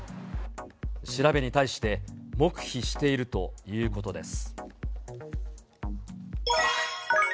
調べに対して、黙秘しているということです。